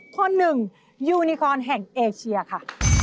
คนหนึ่งยูนิคอนแห่งเอเชียค่ะ